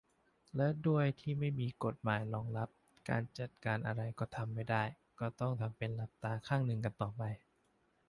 และด้วยที่ไม่มีกฎหมายรองรับ การจัดการอะไรก็ทำไม่ได้ ก็ต้องทำเป็นหลับตาข้างนึงกันต่อไป